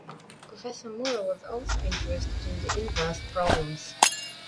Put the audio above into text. Professor Mura was also interested in the inverse problems.